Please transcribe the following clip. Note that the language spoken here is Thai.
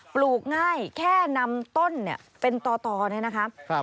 ปลูกง่ายแค่นำต้นเป็นต่อนะครับ